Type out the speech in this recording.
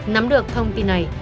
nắm được thông tin này